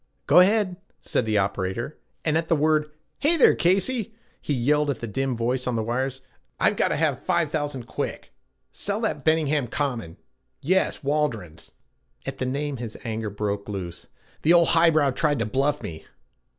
'Go ahead,' said the operator, and, at the word, 'Hey there, Casey,' he yelled at the dim voice on the wires, 'I've gotta have five thousand quick! Sell that Benningham Common yes, Waldron's.' At the name his anger broke loose. 'The old high brow tried to bluff me.